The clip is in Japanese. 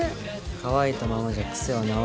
乾いたままじゃクセは直らない。